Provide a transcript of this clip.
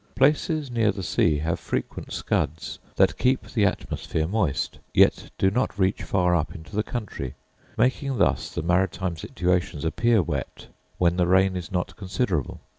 Places near the sea have frequent scuds, that keep the atmosphere moist, yet do not reach far up into the country; making thus the maritime situations appear wet, when the rain is not considerable.